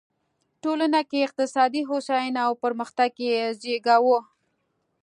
د ټولنه کې اقتصادي هوساینه او پرمختګ یې زېږاوه.